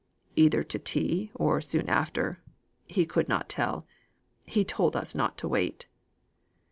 "Either to tea or soon after. He could not tell. He told us not to wait."